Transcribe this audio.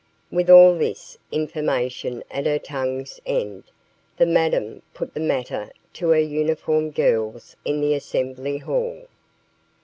With all this information at her tongue's end, the madame put the matter to her uniformed girls in the assembly hall.